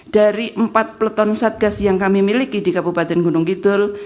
dari empat peleton satgas yang kami miliki di kabupaten gunung kidul